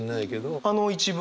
あの一文